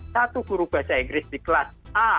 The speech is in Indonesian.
satu guru bahasa inggris di kelas a